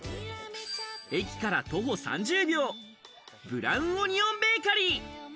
駅から徒歩３０秒、ブラウンオニオンベーカリー。